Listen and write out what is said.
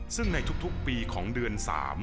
ซึ่งในทุกปีของเดือน๓